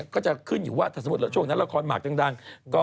ก็จะขึ้นอยู่ว่าถ้าสมมุติทางละครมาร์คดัง